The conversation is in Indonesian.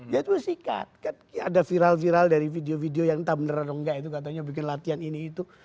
ya itu sikat kan ada viral viral dari video video yang entah bener atau enggak itu katanya bikin latihan ini itu